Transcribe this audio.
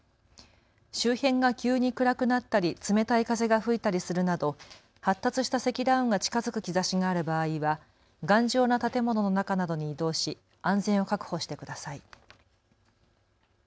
周辺が急に暗くなったり冷たい風が吹いたりするなど発達した積乱雲が近づく兆しがある場合は頑丈な建物の中などに移動し安全を確保してください。